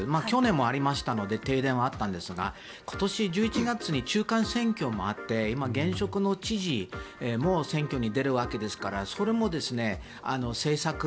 去年も停電はあったんですが今年、１１月に中間選挙もあって今、現職の知事も選挙に出るわけですからそれも政策